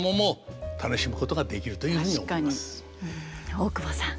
大久保さん